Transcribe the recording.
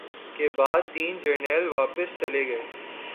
کے بعد تین جرنیل واپس چلے گئے